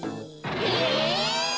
え！？